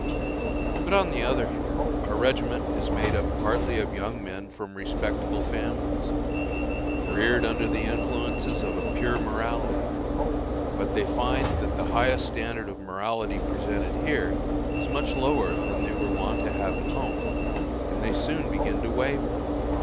But on the other hand, our regiment is made up partly of young men from respectable families, reared under the influences of a pure morality; but they find that the highest standard of morality presented here is much lower than they were wont to have at home, and they soon begin to waver.